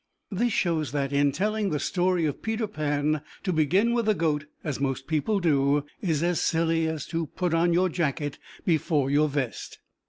This shows that, in telling the story of Peter Pan, to begin with the goat (as most people do) is as silly as to put on your jacket before your vest.